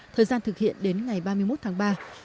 thời gian thực hiện đến ngày ba mươi một tháng ba